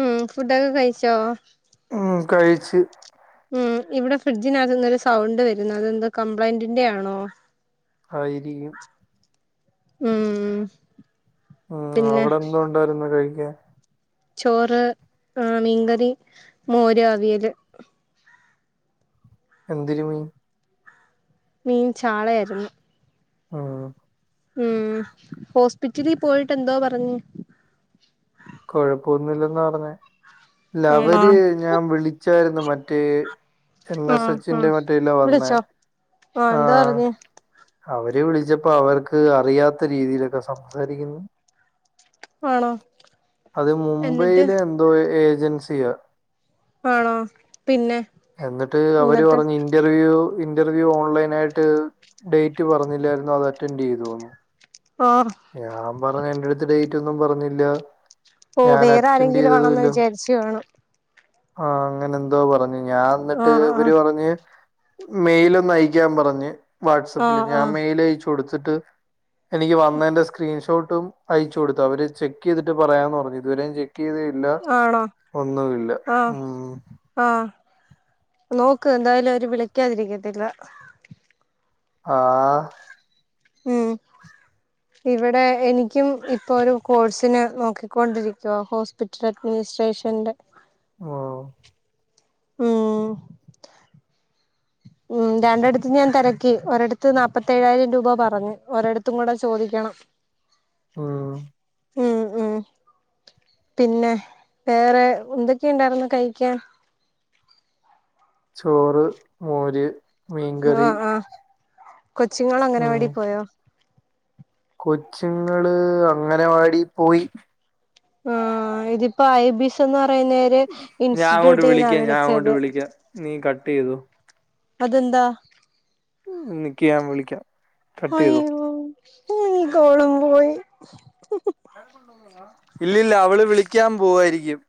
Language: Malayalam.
ഉം ഫുഡൊക്കെ കഴിച്ചോ? കഴിച്ച്. ഉം ഇവിടെ ഫ്രിഡ്ജിനകത്ത് നിന്നൊരു സൗണ്ട് വരുന്നു. അതെന്ത് കംപ്ലന്റിന്റെ ആണോ? ആയിരിക്കും. ഉം. ഉം പിന്നെ അവിടെ എന്ത ഉണ്ടായിരുന്നു കഴിക്കാൻ? ചോറ് ആ മീൻ കറി, മോര്, അവിയല്. എന്തര് മീൻ? മീൻ ചാളയാര്ന്ന്‌. ആ ഉം ഹോസ്പിറ്റലിപോയിട്ട് എന്തോ പറഞ്ഞ്? കൊഴപ്പൊന്നില്ലെന്ന പറഞ്ഞേ. ആണോ ലവര് ഞാൻ വിളിച്ചായിരുന്നു മറ്റേ, എൻ എസ് ആഹ് സച്ചി ന്റെ ആഹ് മറ്റേ ല്ല വന്നേ വിളിച്ചോ എന്തോ ആഹ്. പറഞ്ഞ് അവര് വിളിച്ചപ്പോ അവർക്ക് അറിയാത്ത രീതിയിലൊക്കെ സംസാരിക്കുന്നു. ആണോ? അത് എന്നിട്ട് മുംബൈയിലെ എന്തോ ഏജൻസിയാ. ആണോ പിന്നെ എന്നിട്ട് അവര് എന്നിട്ട് പറഞ് ഇന്റ ർവ്യൂ ഇന്റർവ്യൂ ഓൺലൈനായിട്ട് ഡേറ്റ് പറഞ്ഞില്ലായിരുന്നൊ അത് അറ്റൻറ്റെയ്തോന്ന്‌. ആഹ്. ഞാൻ പറഞ് എന്റെടുത്ത് ഡേറ്റ് ഒന്നും പറഞ്ഞില്ല. ഓ ഞാൻ വേറെ അറ്റൻഡ് ആരെങ്കിലും ആണെന്ന് ചെയ്തതുല്ല. വിചാരിച്ചു കാണും ആ അങ്ങനെന്തോ പറഞ്ഞു. ഞാൻ എന്നിട്ട് ആഹ് ഇവര് ആഹ് പറഞ്ഞ്, മെയിലൊന്ന് അയക്കാൻ പറഞ്ഞ് വാട്സപ്പില്. ആഹ് ഞാൻ ആഹ് മെയില് അയച്ചു കൊടുത്തിട്ടു എനിക്ക് വന്നേ ന്റെ സ്ക്രീൻഷോട്ടും അയച്ചു കൊടുത്തു. അവര് ചെക്ക് ചെയ്തിട്ട് പറയാന്ന് പറഞ് ഇതുവരേം ചെക്ക് ചെയ്ത ട്ടില്ല ആണോ ഒന്നുല്ല. ആഹ് ആഹ് നോക്ക് എന്തായാലും അവര് വിളിക്കാതിരിക്കത്തില്ല ആഹ് ഉം ഇവിടെ എനിക്കും ഇപ്പോ ഒരു കോഴ്സിന് നോക്കിക്കൊണ്ടിരിക്കുവ ഹോസ് പിറ്റൽ അഡ്മിനിസ്ട്രേഷൻ്റെ ഓഹ് ഉം ഉം രണ്ടിടത്ത് ഞാൻ തിരക്കി ഒരടത്ത് നാല്പ്പത്തി ഏഴായിരം രൂപ പറഞ്ഞ് ഒരട ത്തും കൂടെ ചോദിക്കണം ഉം ഉം ഉം പിന്നെ വേറെ എന്തൊക്കെയുണ്ടായിരുന്ന്‌ കഴിക്കാൻ ചോറ് മോര് മീൻകറി ഉം കൊച്ചിങ്ങളഗനവാടി പോയോ കൊച്ചുങ്ങള് അങ്ങനവാടി പോയി ആഹ് ഇതിപ്പോ ഐ ബിസ് എന്ന് പറയുന്നരു ഞാൻ അങ്ങോട്ട് ഇൻസ്റ്റിറ്റ്യൂട്ടി ന്നാ വിളിക്കാം ഞാൻ അങ്ങോട്ട് വിളിച്ചത് വിളിക്കാം നീ കട്ടെയ്തോ അതെന്താ നിക്ക് ഞാ വിളിക്കാം കട്ട് ചെയ്തോ അയ്യോ ഈ കോളുമ്പോയി ഇല്ലില്ല അവള് വിളിക്കാ പോവായിരിക്കും